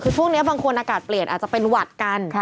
คือช่วงนี้บางคนอากาศเปลี่ยนอาจจะเป็นหวัดกัน